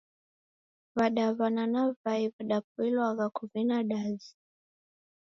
W'adaw'ana na w'ai w'apoilwagha kuvina dazi